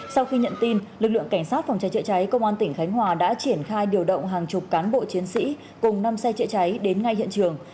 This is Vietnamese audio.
sau khi nhận tin lực lượng cảnh sát phòng cháy chữa cháy công an tỉnh khánh hòa đã triển khai điều động hàng chục cán bộ chiến sĩ cùng năm xe chữa cháy đến ngay hiện trường